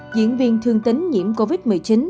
diễn viên thương tính nhiễm covid một mươi chín